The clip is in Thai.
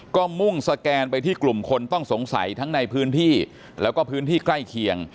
ก็มุ่งสแกนไปที่กลุ่มคนต้องสงสัยทั้งในพื้นที่แล้วก็พื้นที่ใกล้เคียง